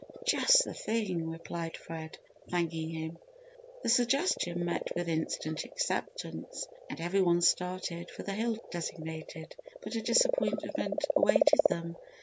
"Just the thing!" replied Fred, thanking him. The suggestion met with instant acceptance and every one started for the hill designated. But a disappointment awaited them.